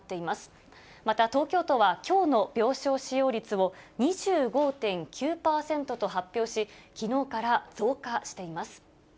また東京都はきょうの病床使用率を２５．９％と発表し、きのうから増加しています。